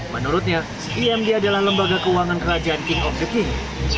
menurutnya imd adalah lembaga keuangan kerajaan king of the king